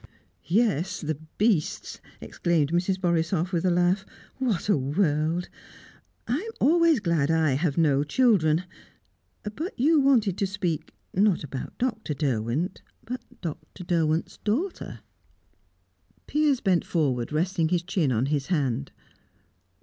"Yes the beasts!" exclaimed Mrs. Borisoff, with a laugh. "What a world! I'm always glad I have no children. But you wanted to speak, not about Dr. Derwent, but Dr. Derwent's daughter." Piers bent forward, resting his chin on his hand.